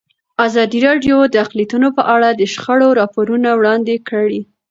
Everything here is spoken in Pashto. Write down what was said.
ازادي راډیو د اقلیتونه په اړه د شخړو راپورونه وړاندې کړي.